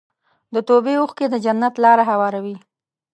د توبې اوښکې د جنت لاره هواروي.